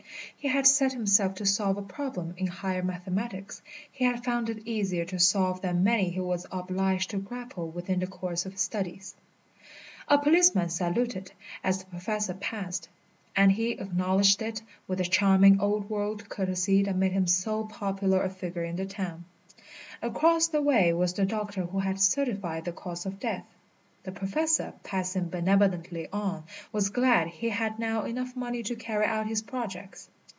He had set himself to solve a problem in higher mathematics. He had found it easier to solve than many he was obliged to grapple with in the course of his studies. A policeman saluted as the Professor passed, and he acknowledged it with the charming old world courtesy that made him so popular a figure in the town. Across the way was the doctor who had certified the cause of death. The Professor, passing benevolently on, was glad he had now enough money to carry out his projects.